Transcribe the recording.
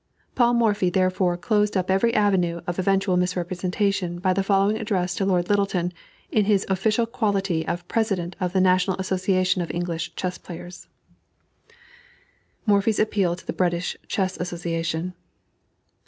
Paul Morphy therefore closed up every avenue of eventual misrepresentation, by the following address to Lord Lyttelton, in his official quality of President of the National Association of English Chess players: MORPHY'S APPEAL TO THE BRITISH CHESS ASSOCIATION.